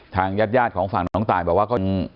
ทางญาติย่านของฝั่งน้องต่ายบอกว่า